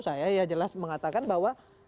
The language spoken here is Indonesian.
saya jelas mengatakan bahwa